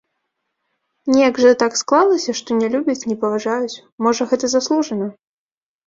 Неяк жа так склалася, што не любяць, не паважаюць, можа гэта заслужана?